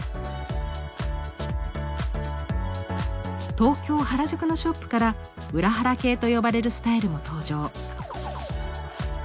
東京・原宿のショップから「裏原系」と呼ばれるスタイルも登場。